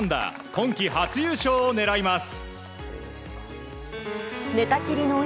今季初優勝を狙います。